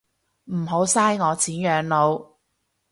唔好嘥我錢養老